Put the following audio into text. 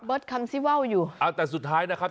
เบิร์ดคำซี่ว่าวอยู่อ่าแต่สุดท้ายนะครับ